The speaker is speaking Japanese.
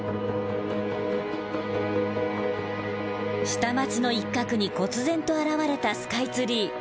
下町の一角にこつ然と現れたスカイツリー。